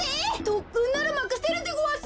とっくんならまかせるでごわす！